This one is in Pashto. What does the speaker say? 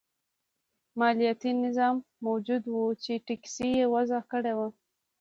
مالیاتي نظام موجود و چې ټکس یې وضعه کړی و.